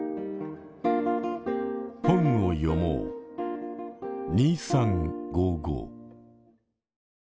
本を読もう「２３」。